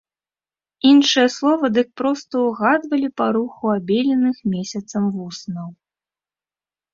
Іншае слова дык проста ўгадвалі па руху абеленых месяцам вуснаў.